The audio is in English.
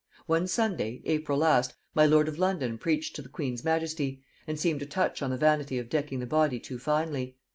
"One Sunday (April last) my lord of London preached to the queen's majesty, and seemed to touch on the vanity of decking the body too finely.